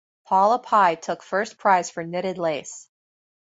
Paula Pye took first prize for knitted lace.